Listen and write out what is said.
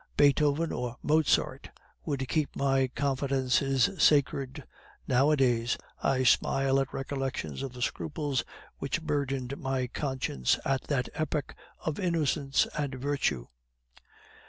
Beethoven or Mozart would keep my confidences sacred. Nowadays, I smile at recollections of the scruples which burdened my conscience at that epoch of innocence and virtue.